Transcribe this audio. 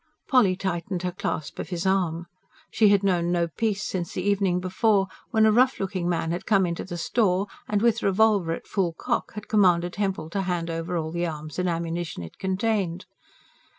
Polly tightened her clasp of his arm. She had known no peace since the evening before, when a rough looking man had come into the store and, with revolver at full cock, had commanded Hempel to hand over all the arms and ammunition it contained.